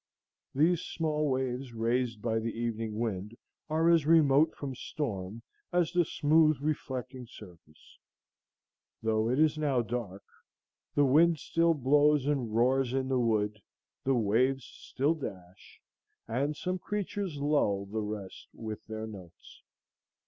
These small waves raised by the evening wind are as remote from storm as the smooth reflecting surface. Though it is now dark, the wind still blows and roars in the wood, the waves still dash, and some creatures lull the rest with their notes.